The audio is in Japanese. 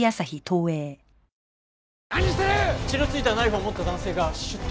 血のついたナイフを持った男性が出頭！